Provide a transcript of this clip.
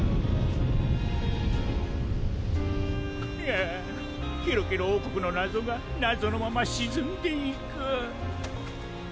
ああケロケロおうこくのなぞがなぞのまましずんでいく。